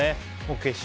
決勝